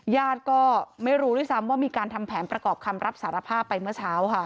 ญาติก็ไม่รู้ด้วยซ้ำว่ามีการทำแผนประกอบคำรับสารภาพไปเมื่อเช้าค่ะ